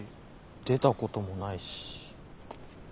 出たこともないし。